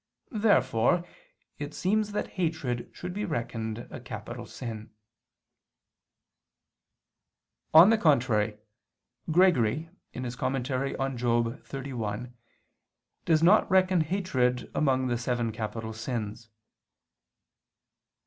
Therefore it seems that hatred should be reckoned a capital sin. On the contrary, Gregory (Moral. xxxi) does not reckon hatred among the seven capital sins.